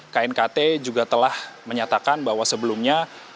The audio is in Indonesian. knkt juga telah menyatakan bahwa sebelumnya